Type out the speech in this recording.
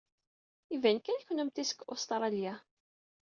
Iban kan kennemti seg Ustṛalya.